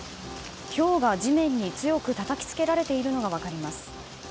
ひょうが地面に強くたたきつけられているのが分かります。